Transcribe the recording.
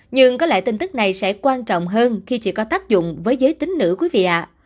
nhưng có lẽ tin tức này sẽ quan trọng hơn khi chỉ có tác dụng với giới tính nữ quý vị